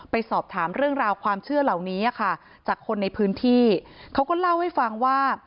สอบถามเรื่องราวความเชื่อเหล่านี้ค่ะจากคนในพื้นที่เขาก็เล่าให้ฟังว่า